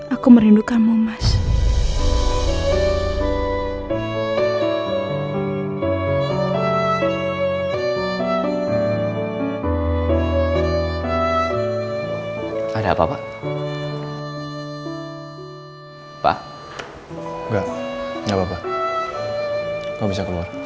aku merindukanmu mas